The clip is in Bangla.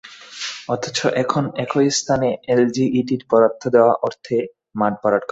অথচ এখন একই স্থানে এলজিইডির বরাদ্দ দেওয়া অর্থে মাঠ ভরাট করা হচ্ছে।